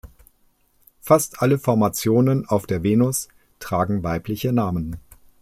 Fast alle Formationen auf der Venus tragen weibliche Namen.